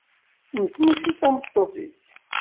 Nekk mačči d tameṭṭut-ik.